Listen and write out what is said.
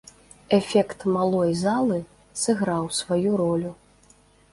Эфект малой залы сыграў сваю ролю.